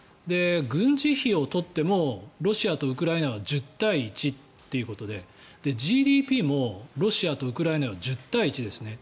軍事費を取ってもロシアとウクライナは１０対１ということでＧＤＰもロシアとウクライナは１０対１ですね。